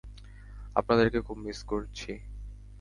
আপনাদেরকে খুব মিস করেছি।